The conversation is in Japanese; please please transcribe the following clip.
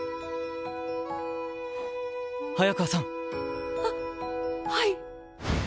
早川さん。ははい。